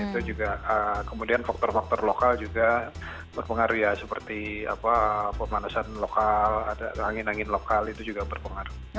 itu juga kemudian faktor faktor lokal juga berpengaruh ya seperti pemanasan lokal ada angin angin lokal itu juga berpengaruh